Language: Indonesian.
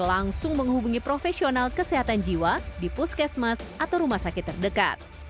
langsung menghubungi profesional kesehatan jiwa di puskesmas atau rumah sakit terdekat